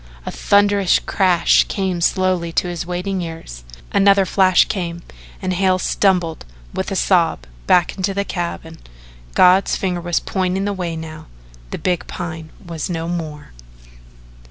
A thunderous crash came slowly to his waiting ears, another flash came, and Hale stumbled, with a sob, back into the cabin. God's finger was pointing the way now the big Pine was no more.